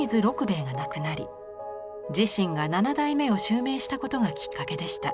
兵衞が亡くなり自身が７代目を襲名したことがきっかけでした。